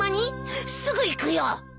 すぐ行くよ。